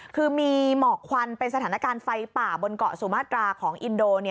คือมีหมอกควันเป็นสถานการณ์ไฟป่าบนเกาะสุมาตราของอินโด